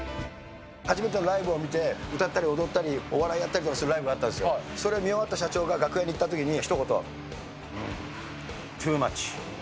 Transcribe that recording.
初めてのライブを見て、歌ったり踊ったり、お笑いやったりするライブがあったんですよ、それ見終わった社長が楽屋に行ったときに、ひと言、トゥーマッチ。